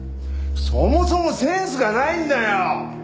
そもそもセンスがないんだよ！